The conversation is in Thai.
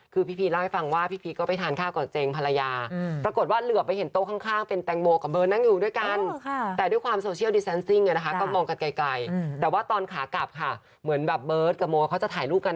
เขาจะถ่ายรูปกันเนอะเข้ามาสองคนไม่มีคนถ่ายรูปให้